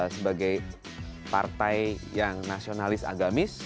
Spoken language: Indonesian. sebagai partai yang nasionalis agamis